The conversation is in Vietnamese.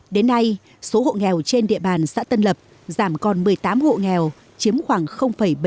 đến nay số hộ nghèo trên địa bàn xã tân lập giảm còn một mươi tám hộ nghèo chiếm khoảng bảy mươi